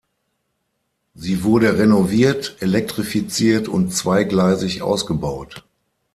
Sie wurde renoviert, elektrifiziert und zweigleisig ausgebaut.